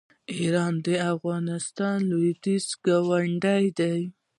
ایران د افغانستان لویدیځ ګاونډی دی.